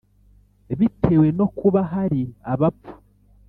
bitewe no kuba hari abapfu,